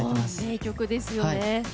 名曲ですよね。